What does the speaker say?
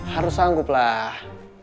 harus sanggup lah